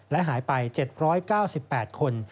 และหายไป๗๙๘คน